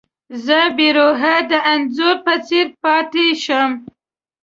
زه بې روحه د انځور په څېر پاتې شم.